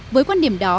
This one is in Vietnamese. với quan điểm đó